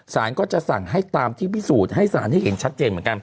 สารก็จะสั่งให้ตามที่พิสูจน์ให้สารให้เห็นชัดเจนเหมือนกัน